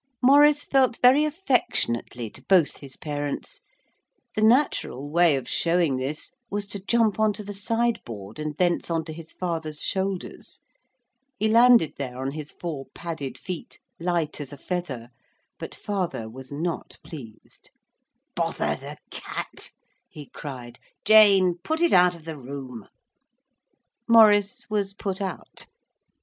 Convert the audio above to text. Maurice felt very affectionately to both his parents. The natural way of showing this was to jump on to the sideboard and thence on to his father's shoulders. He landed there on his four padded feet, light as a feather, but father was not pleased. 'Bother the cat!' he cried. 'Jane, put it out of the room.' Maurice was put out.